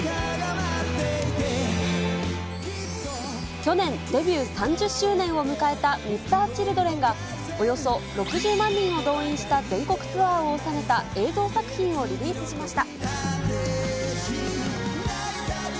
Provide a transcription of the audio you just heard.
去年デビュー３０周年を迎えたＭｒ．Ｃｈｉｌｄｒｅｎが、およそ６０万人を動員した全国ツアーを収めた映像作品をリリースしました。